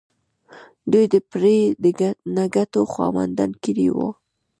دوی د پرې نه ګټو خاوندان کړي وو.